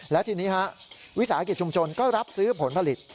และทีนี้วิสาหกิจชุมชนก็รับซื้อผลผลิต